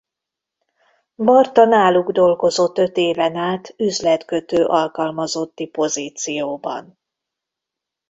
Barta náluk dolgozott öt éven át üzletkötő alkalmazotti pozícióban.